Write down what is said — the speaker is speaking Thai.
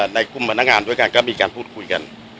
ในกลุ่มพนักงานด้วยกันก็มีการพูดคุยกัน